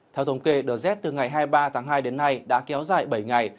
theo thống kê đợt rét từ ngày hai mươi ba tháng hai đến nay đã kéo dài bảy ngày